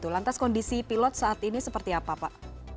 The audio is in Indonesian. lantas kondisi pilot saat ini seperti apa pak